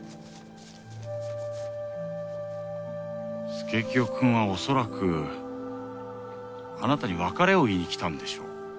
佐清くんはおそらくあなたに別れを言いに来たんでしょう。